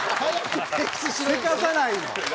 せかさないの！